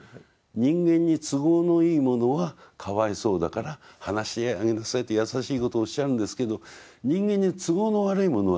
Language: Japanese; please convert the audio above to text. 人間に都合のいいものはかわいそうだから放してあげなさいって優しいことをおっしゃるんですけど人間に都合の悪いものはね